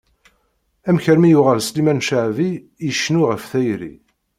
Amek armi yuɣal Sliman Cabbi icennu ɣef tayri?